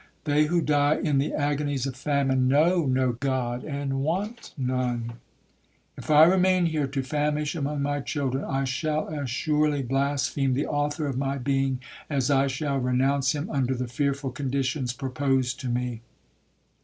They who die in the agonies of famine know no God, and want none—if I remain here to famish among my children, I shall as surely blaspheme the Author of my being, as I shall renounce him under the fearful conditions proposed to me!